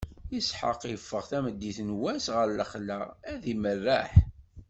Isḥaq iffeɣ tameddit n wass ɣer lexla, ad imerreḥ.